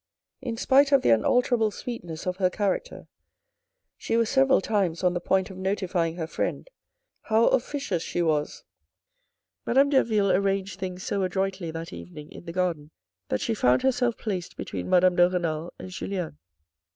In spite of the unalterable sweetness of her character, she was several times on the point of notifying her friend how officious she was. Madame Derville arranged things so adroitly that evening in the garden, that she found herself placed between Madame de Renal and Julien.